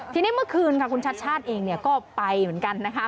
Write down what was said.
ทีนี้เมื่อคืนค่ะคุณชัดชาติเองก็ไปเหมือนกันนะคะ